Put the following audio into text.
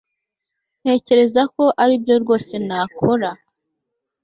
ntekereza ko aribyo rwose nakora